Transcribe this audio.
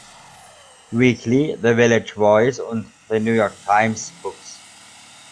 Weekly", "The Village Voice" und "The New York Times Books".